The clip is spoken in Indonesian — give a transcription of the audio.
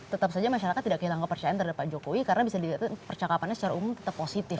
tetap saja masyarakat tidak kehilangan kepercayaan terhadap pak jokowi karena bisa dilihat percakapannya secara umum tetap positif